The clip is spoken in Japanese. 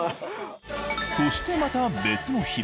そしてまた別の日。